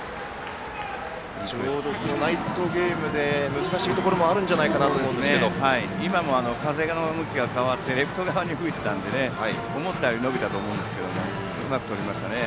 ナイトゲームで難しいところもあるんじゃないかなと今のは風の向きが変わってレフト側に吹いていたので思ったより伸びたと思うんですがうまくとりましたね。